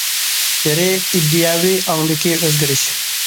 بىرى، ئىدىيەۋى ئاڭدىكى ئۆزگىرىش.